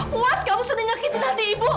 puas kamu sudah nyakitkan hati ibu